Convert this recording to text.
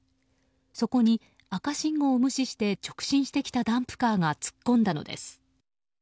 そこに赤信号を無視して直進してきたダンプカーが突っ込んだのです。